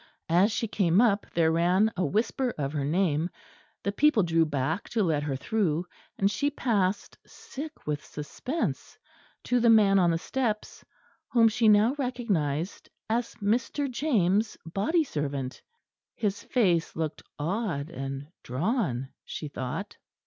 As she came up there ran a whisper of her name; the people drew back to let her through, and she passed, sick with suspense, to the man on the steps, whom she now recognised as Mr. James' body servant. His face looked odd and drawn, she thought.